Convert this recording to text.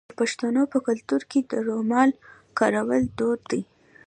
د پښتنو په کلتور کې د رومال کارول دود دی.